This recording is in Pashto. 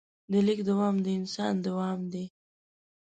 د لیک دوام د انسان دوام دی.